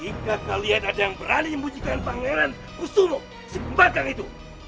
jika kalian ada yang berani membujikan pangeran pusumo si kembangkang itu